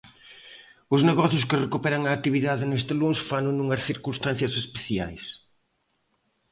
Os negocios que recuperan a actividade este luns fano nunhas circunstancias especiais.